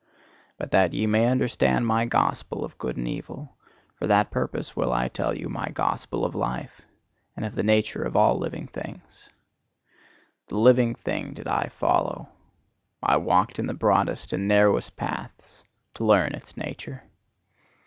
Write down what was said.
But that ye may understand my gospel of good and evil, for that purpose will I tell you my gospel of life, and of the nature of all living things. The living thing did I follow; I walked in the broadest and narrowest paths to learn its nature.